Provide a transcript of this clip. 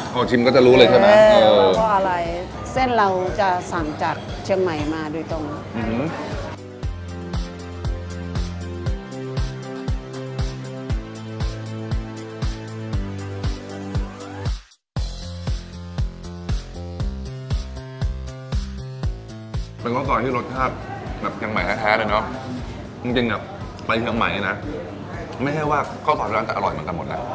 เป็นข้อสอบที่รสชาติแบบเชียงใหม่แท้เลยเนอะจริงอ่ะไปเชียงใหม่นะไม่ใช่ว่าข้อสอบร้านจะอร่อยเหมือนกันหมดแหละ